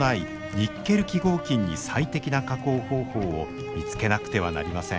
ニッケル基合金に最適な加工方法を見つけなくてはなりません。